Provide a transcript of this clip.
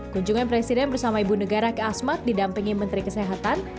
kunjungan presiden bersama ibu negara ke asmat didampingi menteri kesehatan